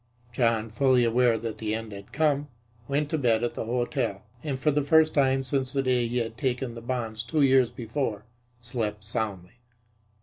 John, fully aware that the end had come, went to bed at the hotel, and, for the first time since the day he had taken the bonds two years before, slept soundly.